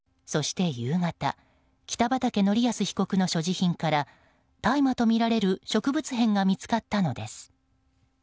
そして夕方北畠成文被告の所持品から大麻とみられる植物片が見つかったのです。